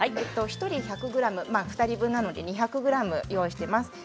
１つ１００ｇ、２人分なので２００ｇ用意しています。